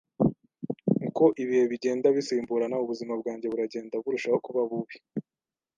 Uko ibihe bigenda bisimburana, ubuzima bwanjye buragenda burushaho kuba bubi.